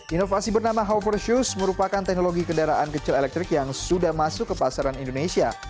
inovasi bernama hover shoes merupakan teknologi kendaraan kecil elektrik yang sudah masuk ke pasaran indonesia